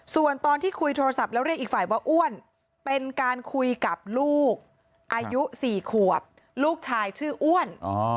ส่วนตอนที่คุยโทรศัพท์แล้วเรียกอีกฝ่ายว่าอ้วนเป็นการคุยกับลูกอายุ๔ขวบลูกชายชื่ออ้วน